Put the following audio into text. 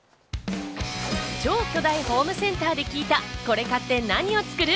超巨大ホームセンターで聞いた、これ買って何を作る？